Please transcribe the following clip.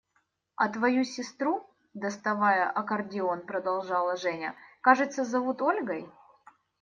– «А твою сестру, – доставая аккордеон, продолжала Женя, – кажется, зовут Ольгой?»